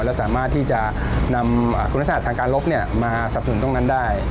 และสามารถที่จะนำคุณศาสตร์ทางการลบมาสับสนุนตรงนั้นได้